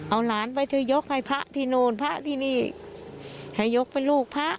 เอาหลานไปเถอะยกให้พระที่นู่นพระที่นี่ให้ยกเป็นลูกพระ